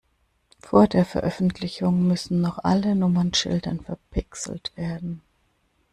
Vor der Veröffentlichung müssen noch alle Nummernschilder verpixelt werden.